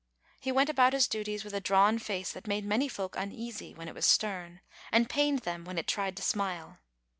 He went about his duties with a drawn face that made many folk uneasy when it was stern, and pained them when it tried to smile.